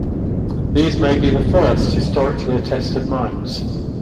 These may be the first historically attested mines.